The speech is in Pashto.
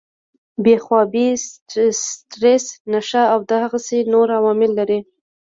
بې خوابي ، سټريس ، نشه او دغسې نور عوامل لري